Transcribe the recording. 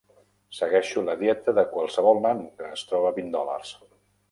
Segueixo la dieta de qualsevol nano que es troba vint dòlars.